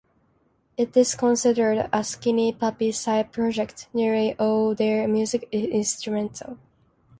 It is considered a Skinny Puppy side project; nearly all their music is instrumental.